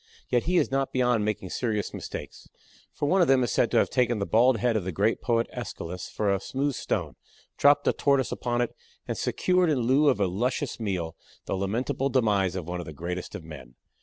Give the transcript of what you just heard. Yet he is not beyond making serious mistakes, for one of them is said to have taken the bald head of the great poet Aeschylus for a smooth stone, dropped a Tortoise upon it, and secured in lieu of a luscious meal the lamentable demise of one of the greatest of men.